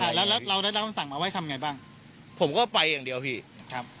ใช่แล้วแล้วเราได้รับคำสั่งมาว่าทำไงบ้างผมก็ไปอย่างเดียวพี่ครับ